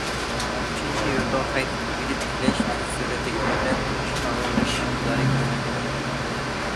ئۈچىنچى، يۇرتىغا قايتىپ ئىگىلىك تىكلەش تېز سۈرئەتتە ئىلگىرىلەپ، ئىشقا ئورۇنلىشىش ئىقتىدارى كۆرۈنەرلىك ئاشتى.